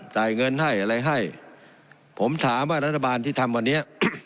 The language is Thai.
จ่ายเงินให้อะไรให้ผมถามว่ารัฐบาลที่ทำวันนี้